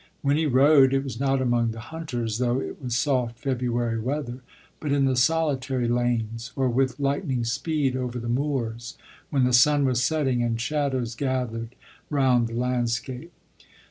Wh< n he rode, it was not among the hunters, though it was soft February weather, but in the solitary lanes, or with lightning speed over the moors. when the sun was setting and shadows gathered round the landscape.